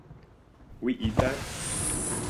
We eat that?